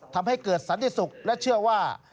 ทำให้เกิดสันติสุขและเชื่อว่า